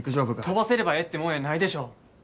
飛ばせればええってもんやないでしょ。